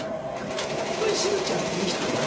ホントにしずちゃんっていい人だね。